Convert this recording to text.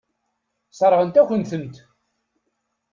Sseṛɣent-akent-tent.